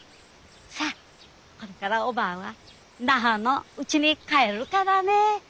さぁこれからおばぁは那覇のうちに帰るからね。